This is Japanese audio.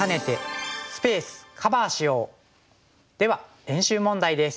では練習問題です。